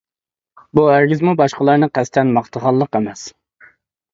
بۇ ھەرگىزمۇ باشقىلارنى قەستەن ماختىغانلىق ئەمەس.